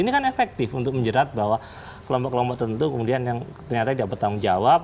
ini kan efektif untuk menjerat bahwa kelompok kelompok tentu kemudian yang ternyata tidak bertanggung jawab